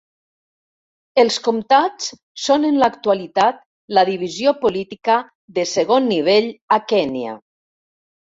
Els comtats són en l'actualitat la divisió política de segon nivell a Kènia.